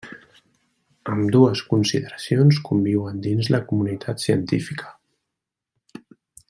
Ambdues consideracions conviuen dins la comunitat científica.